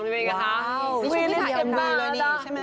นี่ชุดที่ถ่ายเอ็มมือเลยนี่ใช่ไหม